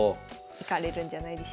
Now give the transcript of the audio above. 行かれるんじゃないでしょうか。